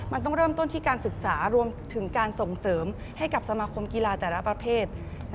มันต้องเริ่มต้นที่การศึกษารวมถึงการส่งเสริมให้กับสมาคมกีฬาแต่ละประเภท